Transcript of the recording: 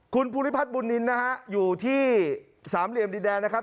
คุณภูริพัฒน์บุญนินนะฮะอยู่ที่สามเหลี่ยมดินแดงนะครับ